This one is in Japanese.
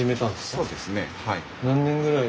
そうですねはい。